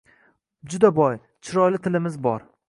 Juda boy, chiroyli tilimiz bor.